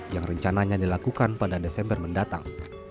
yang rencananya dilakukan pada desember mendatang